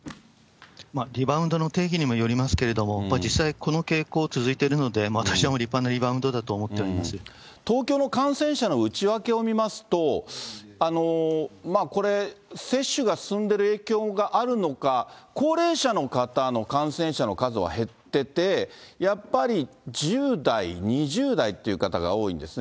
リバウンドの定義にもよりますけれども、やっぱり実際、この傾向が続いているので、私はもう立派なリバウンドだと思っていま東京の感染者の内訳を見ますと、これ、接種が進んでいる影響があるのか、高齢者の方の感染者の数は減ってて、やっぱり１０代、２０代っていう方が多いんですね。